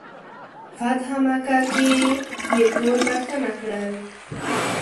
فتح مکه کې یې ټول بخښنه کړل.